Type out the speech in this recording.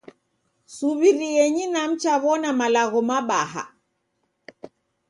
Suw'irienyi na mchaw'ona malagho mabaha